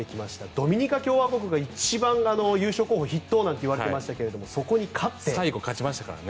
ドミニカ共和国が一番優勝候補筆頭なんて言われていましたけど最後勝ちましたからね。